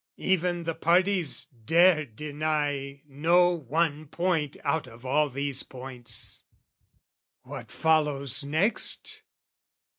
Even the parties dared deny no one Point out of all these points. What follows next?